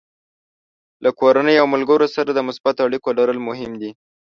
له کورنۍ او ملګرو سره د مثبتو اړیکو لرل مهم دي.